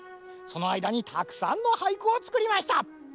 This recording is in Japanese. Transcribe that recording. そのあいだにたくさんのはいくをつくりました。